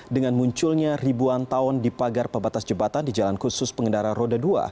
dengan munculnya ribuan tahun di pagar pembatas jembatan di jalan khusus pengendara roda dua